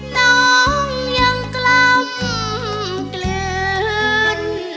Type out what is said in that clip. น้องยังกล้ำกลืน